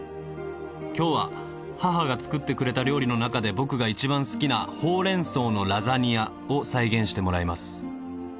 今日は母が作ってくれた料理の中で僕が一番好きなほうれん草のラザニアを再現してもらいます。